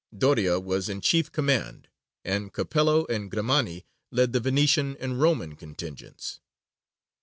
Doria was in chief command, and Capello and Grimani led the Venetian and Roman contingents.